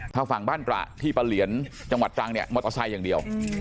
ถ้าฝั่งบ้านตระที่ปะเหลียนจังหวัดตรังเนี่ยมอเตอร์ไซค์อย่างเดียว